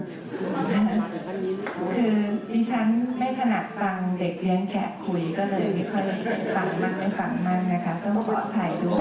ที่ชั้นไม่ขนาดฟังเด็กเลี้ยงไก่คุยนี่จะจะพังหลังให้ฟังมันนะคะ